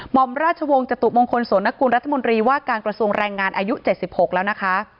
อมราชวงศ์จตุมงคลโสนกุลรัฐมนตรีว่าการกระทรวงแรงงานอายุ๗๖แล้วนะคะ